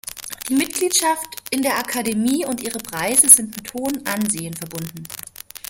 Die Mitgliedschaft in der Akademie und ihre Preise sind mit hohen Ansehen verbunden.